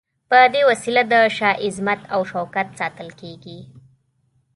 په دې وسیله د شاه عظمت او شوکت ساتل کیږي.